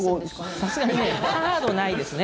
さすがにカードないですね。